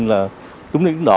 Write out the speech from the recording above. là đúng lý đúng độ